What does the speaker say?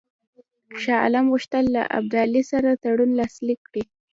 شاه عالم غوښتل له ابدالي سره تړون لاسلیک کړي.